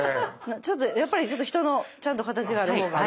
ちょっとやっぱり人のちゃんと形がある方が。